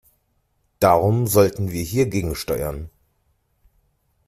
Darum sollten wir hier gegensteuern.